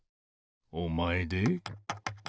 おまえで？